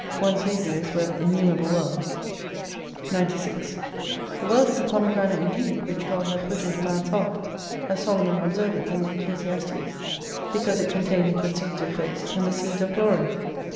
One Saviour is worth innumerable worlds. 96 The World is a pomegranate indeed, which God hath put into man's heart, as Solomon observeth in the Ecclesiastes, because it containeth the seeds of grace and the seeds of glory.